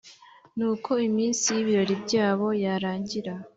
Nuko iminsi y’ibirori byabo yarangira